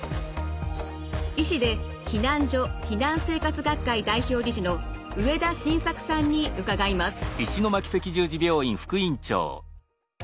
医師で避難所・避難生活学会代表理事の植田信策さんに伺います。